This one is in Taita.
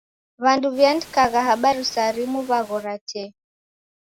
W'andu w'iandikagha habari saa rimu w'aghora tee.